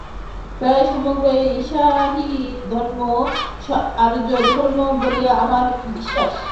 প্রায় সমগ্র ঈশাহি-ধর্মই আর্যধর্ম বলিয়া আমার বিশ্বাস।